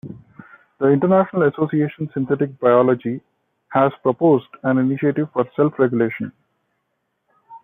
The International Association Synthetic Biology has proposed an initiative for self-regulation.